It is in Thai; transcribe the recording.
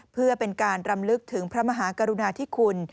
เพื่อเป็นการรำลึกถึงพระมหากรุณาธิคุณ